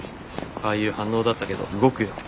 ああいう反応だったけど動くよ